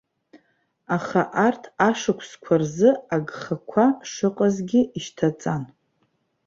Аха арҭ ашықәсқәа рзы агхақәа шыҟазгьы ишьҭаҵан.